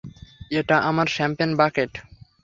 এটা আমার champagne bucket.